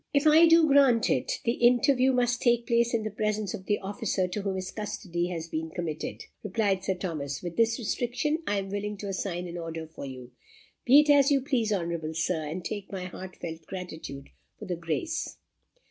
"If I do grant it, the interview must take place in the presence of the officer to whom his custody has been committed," replied Sir Thomas. "With this restriction, I am willing to sign an order for you." "Be it as you please, honourable Sir; and take my heartfelt gratitude for the grace."